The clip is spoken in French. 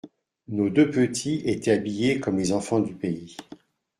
Nos deux petits étaient habillés comme les enfants du pays.